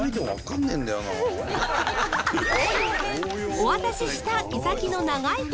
お渡しした毛先の長い筆。